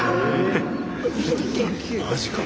マジか。